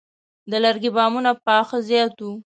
د لرګي بامونه پخوا زیات وو.